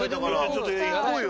ちょっと行こうよ。